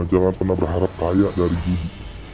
jangan pernah berharap kaya dari jiwa